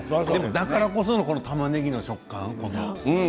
だからこそのたまねぎの食感。